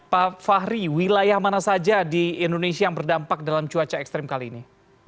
pak fahri wilayah mana saja di indonesia yang berdampak dalam cuaca ekstrim kali ini